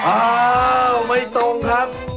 อ้าวไม่ตรงครับ